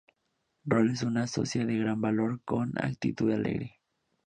Roll es una socia de gran valor con una actitud alegre.